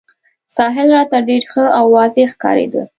ساحل راته ډېر ښه او واضح ښکارېده.